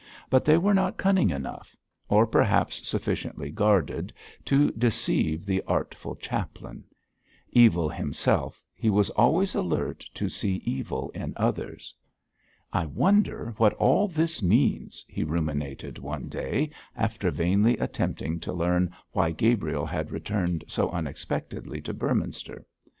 But they were not cunning enough or perhaps sufficiently guarded to deceive the artful chaplain. Evil himself, he was always on the alert to see evil in others. 'I wonder what all this means,' he ruminated one day after vainly attempting to learn why Gabriel had returned so unexpectedly to Beorminster.